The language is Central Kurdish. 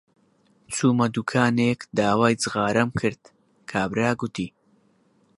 چوومە دووکانێک داوای جغارەم کرد، کابرا گوتی: